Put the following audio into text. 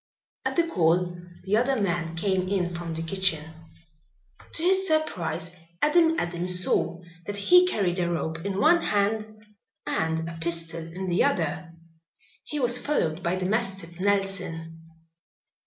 At the call the other man came in from the kitchen. To his surprise Adam Adams saw that he carried a rope in one hand and a pistol in the other. He was followed by the mastiff Nelson.